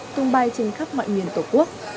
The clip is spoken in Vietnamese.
tung bay trên khắp mọi miền tổ quốc